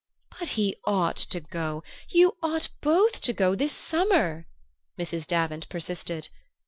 "But he ought to go you ought both to go this summer!" Mrs. Davant persisted.